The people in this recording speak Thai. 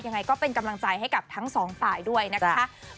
ยังไงก็เป็นกำลังใจให้กับทั้งสองฝ่ายด้วยนะคะ